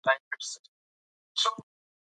زه د پاکۍ خیال ساتم.